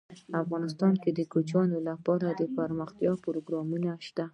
افغانستان کې د کوچیان لپاره دپرمختیا پروګرامونه شته.